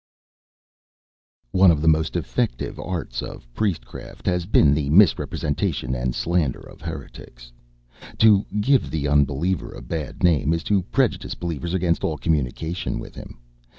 One of the most effective arts of priestcraft has been the misrepresentation and slander of heretics. To give the unbeliever a bad name is to prejudice believers against all communication with him.